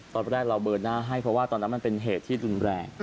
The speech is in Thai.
ตอนแรกเราเบอร์หน้าให้เพราะว่าตอนนั้นมันเป็นเหตุที่รุนแรง